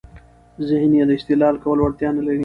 ذهن يې د استدلال کولو وړتیا نلري.